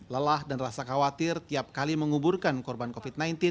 lelah dan rasa khawatir tiap kali menguburkan korban covid sembilan belas